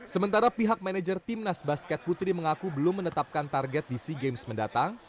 sementara pihak manajer timnas basket putri mengaku belum menetapkan target di sea games mendatang